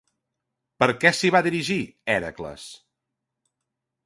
Per què s'hi va dirigir, Hèracles?